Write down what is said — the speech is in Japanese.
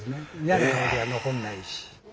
嫌な香りは残んないし。